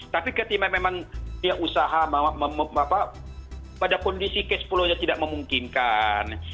tapi ketika memang usaha pada kondisi ke sepuluh nya tidak memungkinkan